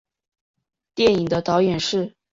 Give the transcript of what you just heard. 电影的导演是。